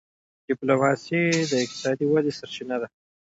ډيپلوماسي د اقتصادي ودي سرچینه ده.